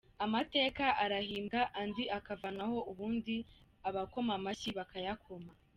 Amateka arahimbwa andi akavanwaho, ubundi abakoma amashyi bakayakoma.